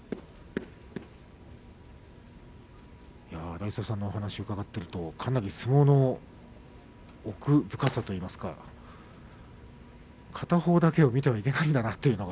荒磯さんのお話を伺っていると相撲の奥深さといいますか片方をだけを見てはいけないんだなというのが。